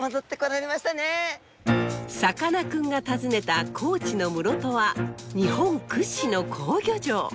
さかなクンが訪ねた高知の室戸は日本屈指の好漁場！